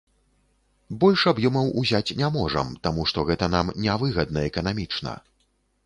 Больш аб'ёмаў ўзяць не можам, таму што гэта нам не выгадна эканамічна.